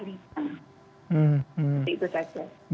jadi itu saja